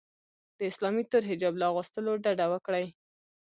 د اسلامي تور حجاب له اغوستلو ډډه وکړي